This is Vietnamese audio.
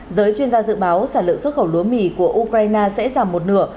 giới chuyên gia dự báo sản lượng xuất khẩu lúa mì của ukraine sẽ giảm một nửa